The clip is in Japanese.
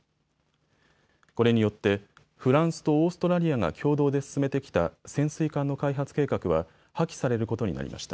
これによってフランスとオーストラリアが共同で進めてきた、潜水艦の開発計画は破棄されることになりました。